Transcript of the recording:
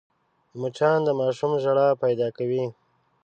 مچان د ماشوم ژړا پیدا کوي